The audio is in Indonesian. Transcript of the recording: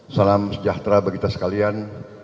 salam sejahtera bagi kita sekalian